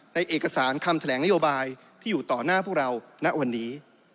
เอกสารคำแถลงนโยบายที่อยู่ต่อหน้าพวกเราณวันนี้